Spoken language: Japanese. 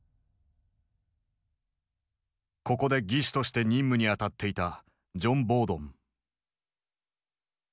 ここで技師として任務に当たっていたジョン・ボードン。